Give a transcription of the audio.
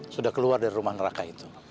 sudah keluar dari rumah neraka itu